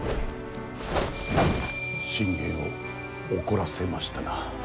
信玄を怒らせましたな。